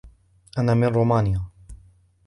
أنا من رومانيا.